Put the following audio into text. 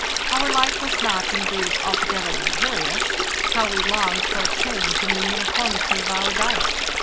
Our life was not, indeed, altogether luxurious. How we longed for a change in the uniformity of our diet!